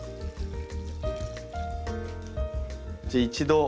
じゃあ一度。